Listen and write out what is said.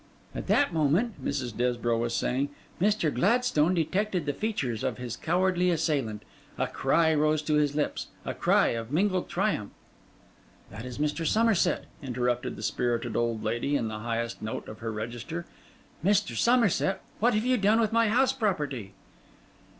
'At that moment,' Mrs. Desborough was saying, 'Mr Gladstone detected the features of his cowardly assailant. A cry rose to his lips: a cry of mingled triumph ...' 'That is Mr. Somerset!' interrupted the spirited old lady, in the highest note of her register. 'Mr. Somerset, what have you done with my house property?